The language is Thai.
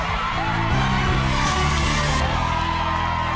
มาแล้ว